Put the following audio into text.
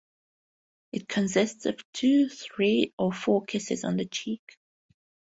It consists of two, three, or four kisses on the cheek.